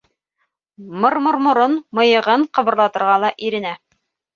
Мырмырморон мыйығын ҡыбырлатырға ла иренә.